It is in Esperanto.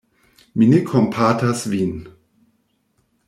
Mi ne kompatas vin.